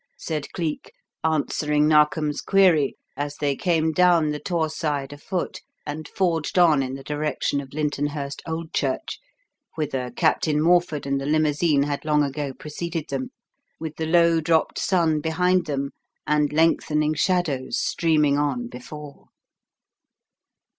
said Cleek, answering Narkom's query, as they came down the Tor side afoot and forged on in the direction of Lyntonhurst Old Church whither Captain Morford and the limousine had long ago preceded them with the low dropped sun behind them and lengthening shadows streaming on before.